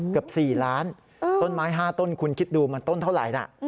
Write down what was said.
เกือบ๔ล้านต้นไม้๕ต้นคุณคิดดูมันต้นเท่าไหร่นะ